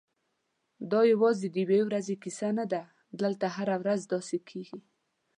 دا یوازې د یوې ورځې کیسه نه ده، دلته هره ورځ داسې کېږي.